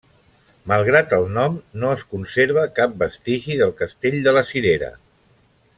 Malgrat el nom, no es conserva cap vestigi del castell de la Cirera.